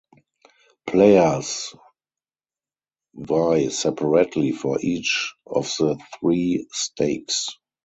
Players vie separately for each of the three stakes.